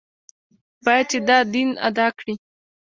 باید چې دا دین ادا کړي.